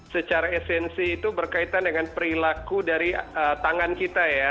secara esensi itu berkaitan dengan perilaku dari tangan kita ya